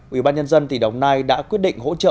ubnd tỉ đồng nai đã quyết định hỗ trợ